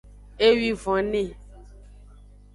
Ewivone.